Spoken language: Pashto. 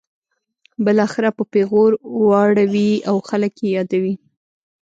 بالاخره په پیغور واړوي او خلک یې یادوي.